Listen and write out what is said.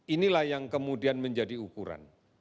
inilah yang kemudian menjadi ukuran